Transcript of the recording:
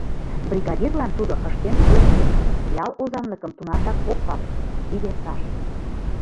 Бригадирлан тудо ыштен ок керт, ял озанлыкым тунаржак ок пале, тиде раш.